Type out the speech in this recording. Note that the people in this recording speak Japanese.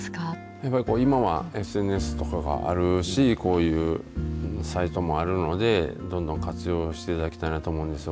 やっぱり今はＳＮＳとかがあるし、こういうサイトもあるので、どんどん活用していただきたいなと思うんですよ。